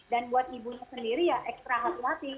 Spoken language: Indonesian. dan buat ibunya sendiri ya ekstra khusus hati